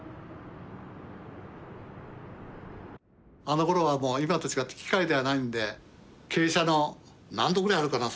あのころはもう今と違って機械ではないんで傾斜の何度ぐらいあるかな？